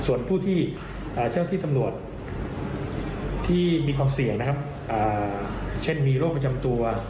ส่วนผู้ที่เจ้าที่ตำรวจที่มีความเสี่ยงนะครับเช่นมีโรคประจำตัว